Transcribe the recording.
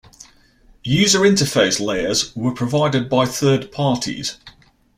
User interface layers were provided by third parties.